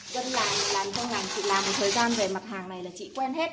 dân làng làng châu làng chị làm một thời gian về mặt hàng này là chị quen hết